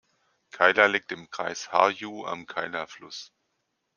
Keila liegt im Kreis Harju am Keila-Fluss.